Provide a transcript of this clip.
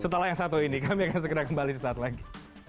setelah yang satu ini kami akan segera kembali sesaat lagi